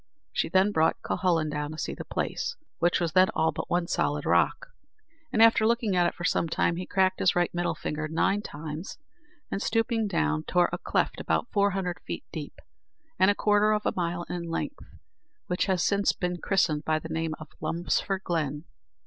She then brought Cuhullin down to see the place, which was then all one solid rock; and, after looking at it for some time, he cracked his right middle finger nine times, and, stooping down, tore a cleft about four hundred feet deep, and a quarter of a mile in length, which has since been christened by the name of Lumford's Glen.